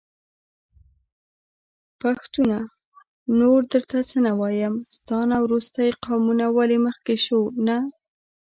پښتونه نور درته څه نه وايم.. ستا نه وروستی قامونه ولي مخکې شو نه